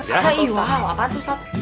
iya apaan tuh ustadz